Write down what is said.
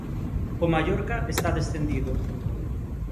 O Mallorca está descendido.